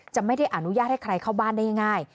ไม่ได้อนุญาตให้ใครเข้าบ้านได้ง่าย